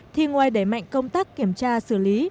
thì ngoài đẩy mạnh công tác kiểm tra xử lý